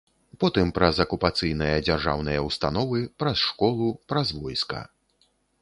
Потым праз акупацыйныя дзяржаўныя ўстановы, праз школу, праз войска.